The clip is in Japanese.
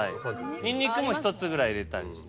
ニンニクも１つぐらい入れたりして。